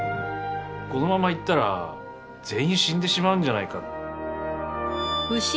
このままいったら全員死んでしまうんじゃないか。